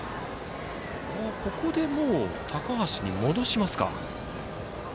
ここで高橋に戻しますか。